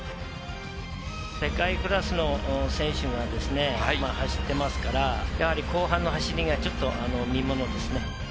世界クラスの選手がですね、走ってますから、やはり後半の走りがちょっと見ものですね。